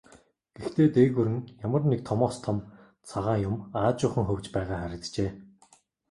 Гэхдээ дээгүүр нь ямар нэг томоос том цагаан юм аажуухан хөвж байгаа харагджээ.